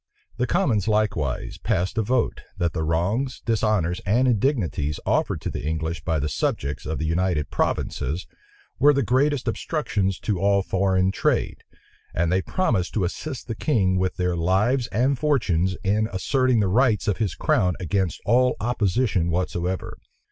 The commons likewise passed a vote, that the wrongs, dishonors, and indignities offered to the English by the subjects of the United Provinces, were the greatest obstructions to all foreign trade: and they promised to assist the king with their lives and fortunes in asserting the rights of his crown against all opposition whatsoever.